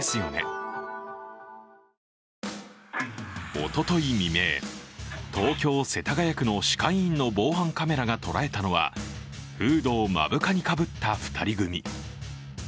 おととい未明、東京・世田谷区の歯科医院の防犯カメラが捉えたのはフードを目深にかぶった２人組。